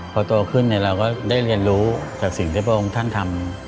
พอโตขึ้นเราก็ได้เรียนรู้จากสิ่งที่พระองค์ท่านทำ